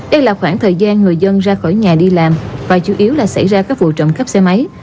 đây là khoảng thời gian người dân ra khỏi nhà đi làm và chủ yếu là xảy ra các vụ trộm cắp xe máy